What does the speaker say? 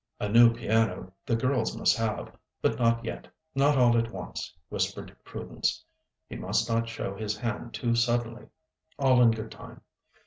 A new piano the girls must have, but not yet, not all at once, whispered Prudence. He must not show his hand too suddenly. All in good time.